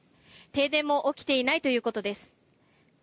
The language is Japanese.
停電も起きていないということです。